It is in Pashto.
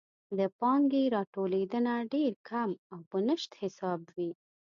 د پانګې راټولیدنه ډېر کم او په نشت حساب وي.